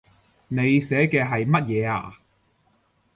你寫嘅係乜嘢呀